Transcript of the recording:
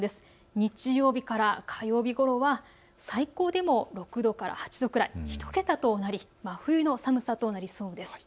日曜日から火曜日ごろは最高でも６度から８度くらい１桁となり真冬の寒さとなりそうです。